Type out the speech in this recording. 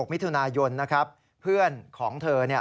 มิถุนายนนะครับเพื่อนของเธอ